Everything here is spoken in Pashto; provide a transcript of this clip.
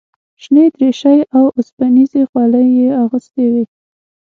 شنې دریشۍ او اوسپنیزې خولۍ یې اغوستې وې.